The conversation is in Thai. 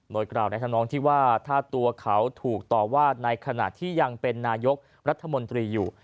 โดยกล่าวในธรรมนองที่ว่าถ้าตัวเขาถูกต่อว่าในขณะที่ยังเป็นนายกรัฐมนตรีอยู่